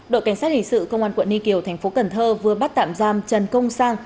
đội cảnh sát hình sự công an quận ninh kiều thành phố cần thơ vừa bắt tạm giam trần công sang